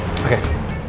oke makasih ya